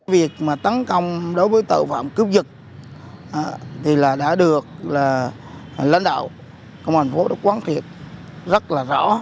việc tấn công đối với tội phạm cướp giật đã được lãnh đạo công an thành phố quán thiệt rất rõ